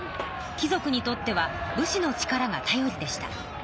貴族にとっては武士の力がたよりでした。